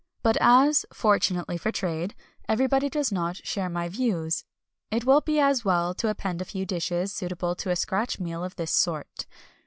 But as, fortunately for trade, everybody does not share my views, it will be as well to append a few dishes suitable to a scratch meal of this sort.